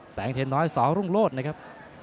แสงเทียนน้อย๑๒โรงโลจครับ